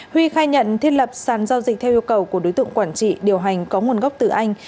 huy khai nhận thiết lập sàn giao dịch theo yêu cầu của đối tượng quản trị điều hành có nguồn gốc từ anh